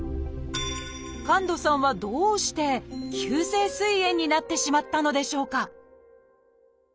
神門さんはどうして急性すい炎になってしまったのでしょうか？